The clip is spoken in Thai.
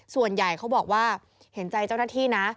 ส่วนใหญ่เขาบอกว่าเห็นใจเจ้าหน้าที่นะ